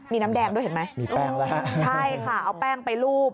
มีน้ำแดงด้วยเห็นไหมใช่ค่ะเอาแป้งไปรูป